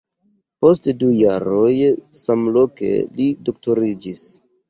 Post du jaroj samloke li doktoriĝis.